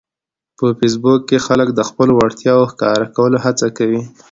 په فېسبوک کې خلک د خپلو وړتیاوو ښکاره کولو هڅه کوي